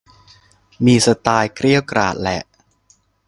มีสไตล์เกรี้ยวกราดแหละ